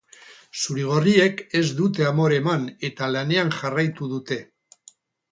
Zuri-gorriek ez dute amore eman eta lanean jarraitu dute.